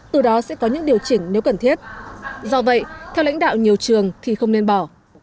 từ đó sẽ có những điều chỉnh nếu cần thiết do vậy theo lãnh đạo nhiều trường thì không nên bỏ